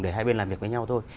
để hai bên làm việc với nhau thôi